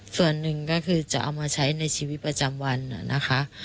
ส่วนหนึ่งก็คือจะเอามาใช้ในชีวิตประจำวันนะคะ